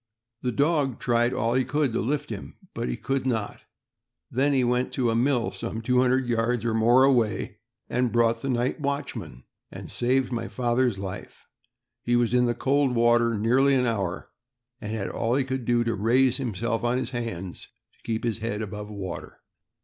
The dog tried all he could to lift him, but could not. Then he went to a mill some two hundred yards or more away, brought the night watchman, and saved my father's life. He was in the cold water nearly an hour, and had all he could do to raise himself on his hands to keep his head above water.